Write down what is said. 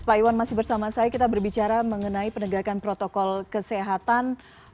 pak iwan masih bersama saya kita berbicara mengenai penegakan protokol kesehatan